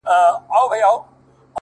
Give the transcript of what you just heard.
بدل کړيدی;